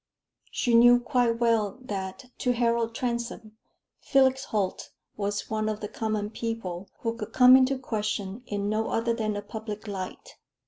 She knew quite well that, to Harold Transome, Felix Holt was one of the common people who could come into question in no other than a public light.